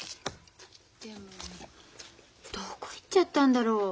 でもどこ行っちゃったんだろう？